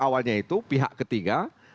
awalnya itu pihak ketiga